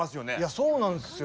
そうなんですよね。